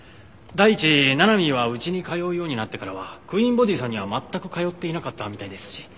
第一ななみーはうちに通うようになってからはクイーンボディーさんには全く通っていなかったみたいですし。